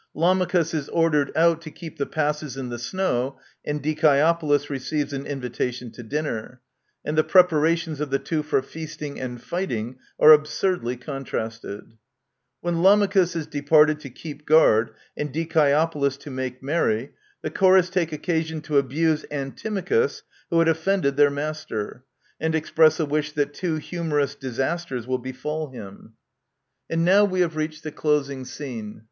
Lamachus is ordered out to keep the passes in the snow, and Dicaeopolis receives an invitation to dinner; and the preparations of the two for feasting and fighting are absurdly contrasted. When Lamachus has departed to keep guard, and Dicse opolis to make merry, the Chorus take occasion to abuse Antimachus, who had offended their master, and express a wish that two humorous disasters will befall him. Introduction. xiii And now we have reached the closing scene.